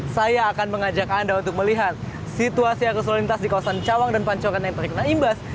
saya akan mengajak anda untuk melihat situasi arus lalu lintas di kawasan cawang dan pancoran yang terkena imbas